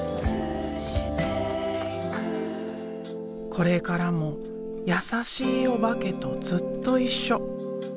これからも優しいおばけとずっと一緒。